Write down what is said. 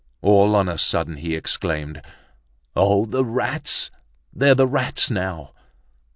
All on a sudden he exclaimed: "Oh! the rats, there're the rats now!"